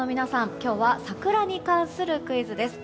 今日は桜に関するクイズです。